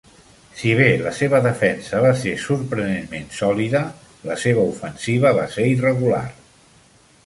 Si bé la seva defensa va ser sorprenentment sòlida, la seva ofensiva va ser irregular.